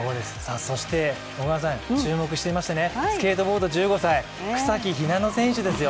そして、注目していましたスケートボード１５歳、草木ひなの選手ですよ